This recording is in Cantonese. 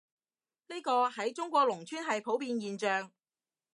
呢個，喺中國農村係普遍現象